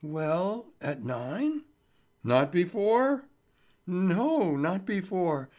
"Well—at nine?" "Not before?" "No, not before.